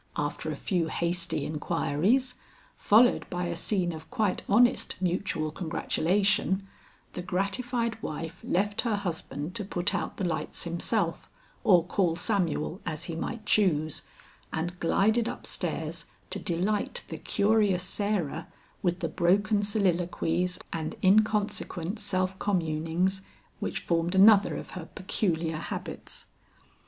After a few hasty inquiries, followed by a scene of quite honest mutual congratulation, the gratified wife left her husband to put out the lights himself or call Samuel as he might choose, and glided up stairs to delight the curious Sarah with the broken soliloquies and inconsequent self communings which formed another of her peculiar habits.